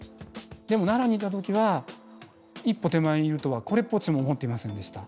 でも奈良にいた時は一歩手前にいるとはこれっぽっちも思っていませんでした。